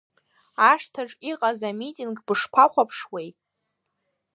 Ашҭаҿ иҟаз амитинг бышԥахәаԥшуеи?